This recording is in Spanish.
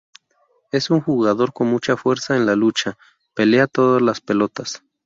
Es un jugador con mucha fuerza en la lucha, pelea todas las pelotas.